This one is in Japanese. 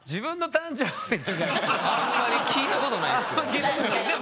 あんまり聞いたことないですよね。